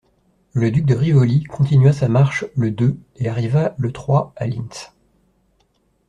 Le duc de Rivoli continua sa marche le deux, et arriva le trois à Lintz.